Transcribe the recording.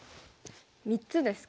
３つですか？